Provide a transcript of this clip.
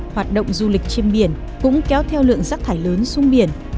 hoạt động du lịch trên biển cũng kéo theo lượng rác thải lớn xuống biển